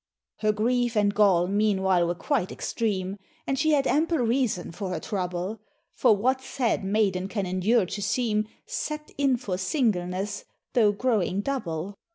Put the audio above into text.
Her grief and gall meanwhile were quite extreme, And she had ample reason for her trouble; For what sad maiden can endure to seem Set in for singleness, tho' growing double.